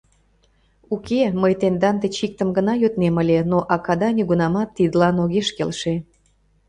— Уке, мый тендан деч иктым гына йоднем ыле, но акада нигунамат тидлан огеш келше.